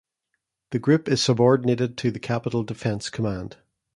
The group is subordinated to the Capital Defense Command.